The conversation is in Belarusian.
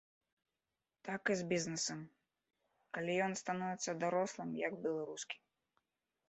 Так і з бізнесам, калі ён становіцца дарослым, як беларускі.